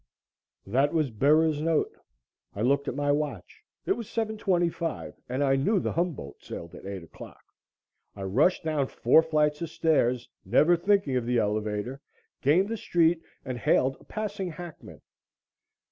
That was Bera's note. I looked at my watch. It was 7:25 and I knew the "Humboldt" sailed at 8 o'clock. I rushed down four flights of stairs, never thinking of the elevator, gained the street and hailed a passing hackman.